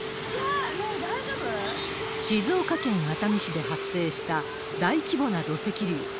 静岡県熱海市で発生した大規模な土石流。